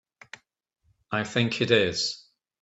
I think it is.